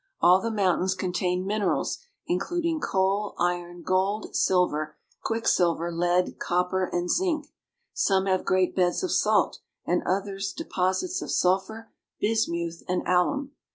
All the mountains contain min erals, including coal, iron, gold, silver, quicksilver, lead, copper, and zinc. Some have great beds of salt and others deposits of sulphur, bismuth, and alum.